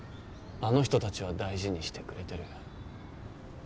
あの人たちは大事にしてくれてる。